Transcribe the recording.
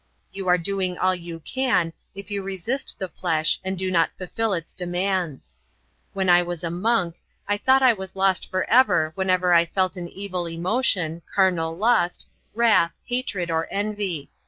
You are doing all you can if you resist the flesh and do not fulfill its demands. When I was a monk I thought I was lost forever whenever I felt an evil emotion, carnal lust, wrath, hatred, or envy.